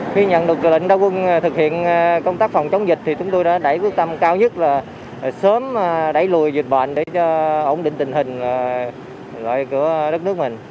khi nhận được lệnh ra quân thực hiện công tác phòng chống dịch thì chúng tôi đã đẩy quyết tâm cao nhất là sớm đẩy lùi dịch bệnh để ổn định tình hình của đất nước mình